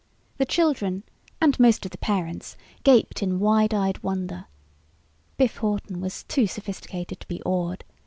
The children and most of the parents gaped in wide eyed wonder. Biff Hawton was too sophisticated to be awed.